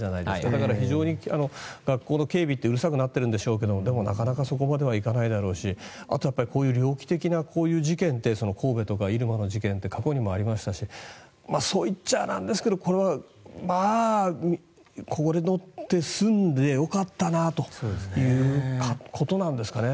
だから、非常に学校の警備ってうるさくなってるんでしょうけどでもなかなかそこまではいかないだろうしあとはこういう猟奇的な事件って神戸とか入間の事件って過去にもありましたしそういっちゃなんですけどこれは、まあこれで済んでよかったなということなんですかね。